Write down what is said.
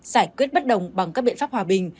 giải quyết bất đồng bằng các biện pháp hòa bình